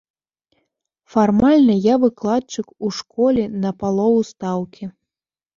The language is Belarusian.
Фармальна, я выкладчык у школе на палову стаўкі.